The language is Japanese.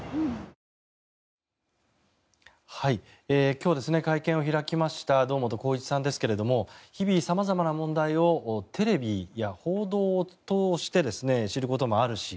今日、会見を開きました堂本光一さんですけれども日々、様々な問題をテレビや報道を通して知ることもあるし